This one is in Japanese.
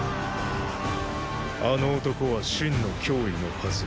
あの男は秦の脅威のはず。